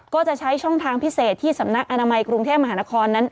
ก็จะใช้ช่องทางพิเศษที่สำนักอนามัยกรุงเทพมหานครนั้น